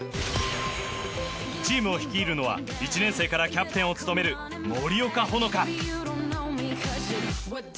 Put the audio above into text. チームを率いるのは１年生からキャプテンを務める森岡ほのか。